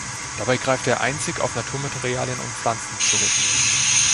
Dabei greift er einzig auf Naturmaterialien und Pflanzen zurück.